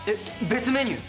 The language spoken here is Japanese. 別メニュー？